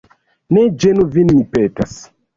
Ne ĝenu vin, mi petas.